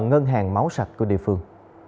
ngân hàng máu sạch của địa phương